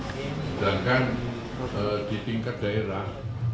sedangkan di tingkat daerah